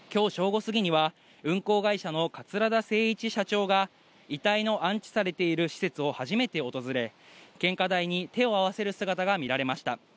午過ぎには、運航会社の桂田精一社長が、遺体の安置されている施設を初めて訪れ、献花台に手を合わせる姿が見られました。